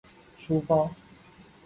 书包